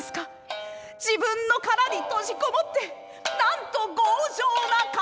自分の殻に閉じ籠もってなんと強情な方でしょう！」。